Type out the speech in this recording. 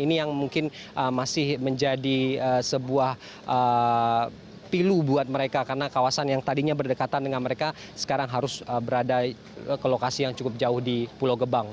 ini yang mungkin masih menjadi sebuah pilu buat mereka karena kawasan yang tadinya berdekatan dengan mereka sekarang harus berada ke lokasi yang cukup jauh di pulau gebang